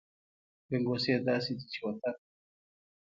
ګنګوسې داسې دي چې وطن …